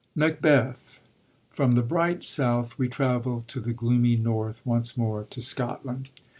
Macbeth.— From the bright south we travel to the gloomy north once more, to Scotland.